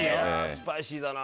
スパイシーだな。